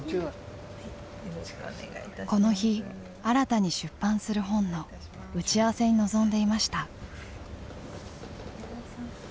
この日新たに出版する本の打ち合わせに臨んでいました。